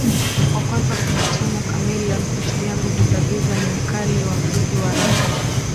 wa kwanza kumtuhumu Chameleone kutumia nguvu za giza ni mkali wa muziki wa raga